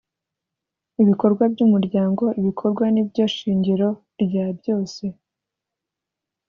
’ibikorwa by’Umuryango ibikorwa nibyo shingiro rya byose